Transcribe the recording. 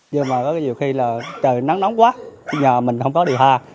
nhưng mà có nhiều khi là trời nắng nóng quá nhà mình không có đi hà